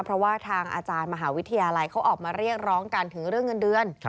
เพราะว่าทางอาจารย์มหาวิทยาลัยเขาออกมาเรียกร้องกันถึงเรื่องเงินเดือน